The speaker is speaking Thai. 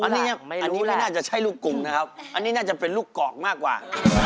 อันนี้น่าจะใช่ลูกกุงนะครับอันนี้น่าจะเป็นมากกว่า